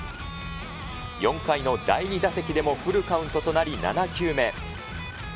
４回の第２打席でもフルカウントとなり、７球目。